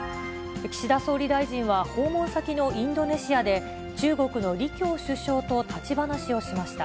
岸田総理大臣は、訪問先のインドネシアで、中国の李強首相と立ち話をしました。